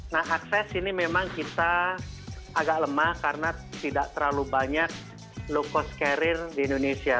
nah akses ini memang kita agak lemah karena tidak terlalu banyak low cost carrier di indonesia